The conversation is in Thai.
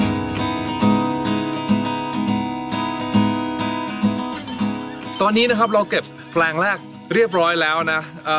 ตอนนี้นะครับเราเก็บแปลงแรกเรียบร้อยแล้วนะ